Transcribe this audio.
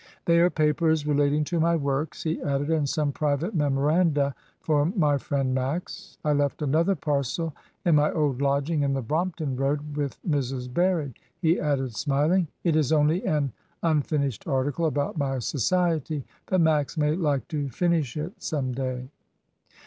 They are papers relating to my works," he added, "and some private memoranda for my friend Max. I left another parcel in my old lodging in the Brompton Road, with Mrs. Barry," he added smiling. "It is only an unfinished article about my society, but Max may like to finish it some day."